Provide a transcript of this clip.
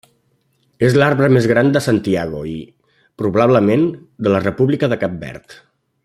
És l'arbre més gran de Santiago i, probablement, de la República de Cap Verd.